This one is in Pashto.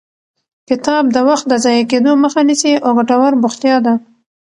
کتاب د وخت د ضایع کېدو مخه نیسي او ګټور بوختیا ده.